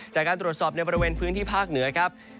จากการตรวจสอบในบริเวณพื้นที่ภาคเหนือครับ